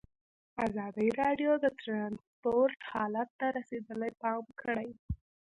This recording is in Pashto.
ازادي راډیو د ترانسپورټ حالت ته رسېدلي پام کړی.